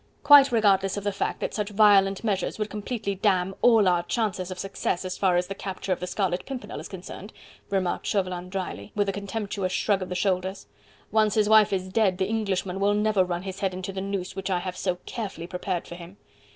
"Quite regardless of the fact that such violent measures would completely damn all our chances of success as far as the capture of the Scarlet Pimpernel is concerned," remarked Chauvelin drily, with a contemptuous shrug of the shoulders. "Once his wife is dead, the Englishman will never run his head into the noose which I have so carefully prepared for him."